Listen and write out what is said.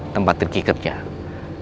tempat ricky kebjahat